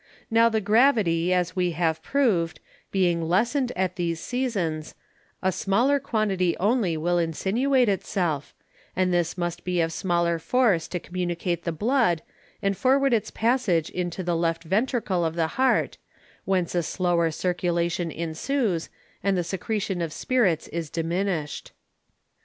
Now the Gravity, as we have proved, being lessened at these Seasons, a smaller quantity only will insinuate it self, and this must be of smaller force to comminute the Blood, and forward its Passage into the left Ventricle of the Heart, whence a slower Circulation insues, and the Secretion of Spirits is diminished.